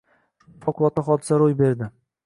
Shunda favqulodda hodisa ro‘y berdi